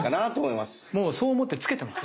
もうそう思って着けてます。